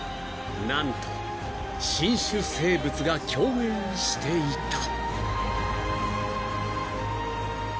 ［なんと新種生物が共演していた］